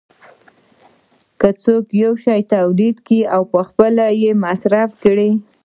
که څوک یو شی تولید کړي او پخپله یې مصرف کړي